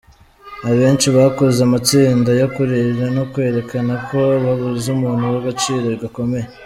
Abenshi bakoze amatsinda yo kurira no kwerekana ko babuze umuntu w’agaciro gakomeye.